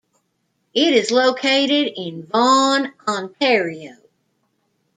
It is located in Vaughan, Ontario.